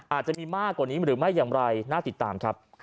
อาจจะมีมากกว่านี้หรือไม่อย่างไรน่าติดตามครับ